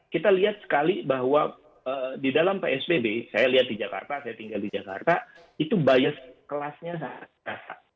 kita lihat sekali bahwa di dalam psbb saya lihat di jakarta saya tinggal di jakarta itu bias kelasnya sangat